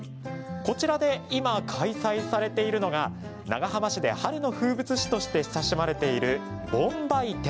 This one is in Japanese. こちらで今、開催されているのが長浜市で春の風物詩として親しまれている盆梅展。